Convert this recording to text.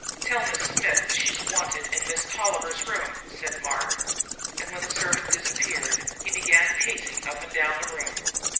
"Tell Miss Smith that she's wanted in Miss Tolliver's room," said Mark, and, when the servant disappeared, he began pacing up and down the room.